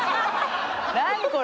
何これ！